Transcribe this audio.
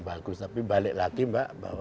bagus tapi balik lagi mbak bahwa